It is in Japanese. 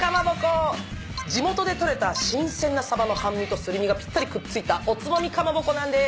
地元で捕れた新鮮なサバの半身とすり身がぴったりくっついたおつまみかまぼこなんです。